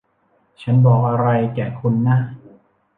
ฉันบอกอะไรแก่คุณนะ